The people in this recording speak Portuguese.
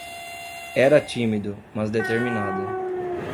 Era tímido, mas determinado